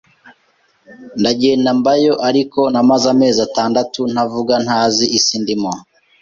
ndagenda mbayo ariko namaze amezi atandatu ntavuga ntazi isi ndimo